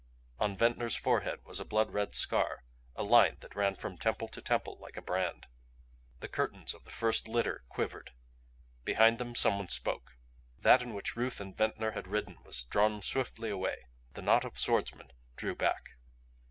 On Ventnor's forehead was a blood red scar, a line that ran from temple to temple like a brand. The curtains of the first litter quivered; behind them someone spoke. That in which Ruth and Ventnor had ridden was drawn swiftly away. The knot of swordsmen drew back.